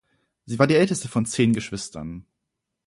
Sie war die älteste von zehn Geschwistern.